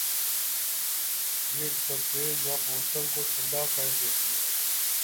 یہ ڈبے یا بوتل کو ٹھنڈا کردیتی ہے۔